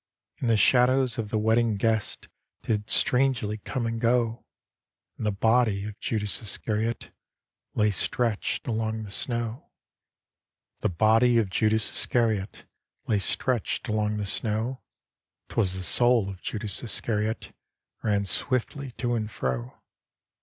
And the shadows of the wedding guests Did strangely come and go, And the body of Judas Iscariot Lay stretched along the snow. D,gt,, erihyGOOgle Tke Haunted Hour The body of Judas Iscariot Lsy stretched along the snow, Twas the soul of Judas Iscariot Ran swiftly to and fro.